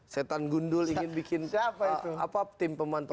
setan gundul ingin bikin tim peman toko